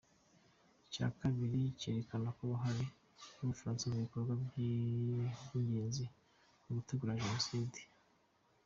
Icya kabiri cyerekana uruhare rw’u Bufaransa mu bikorwa by’ingenzi byo gutegura Jenoside.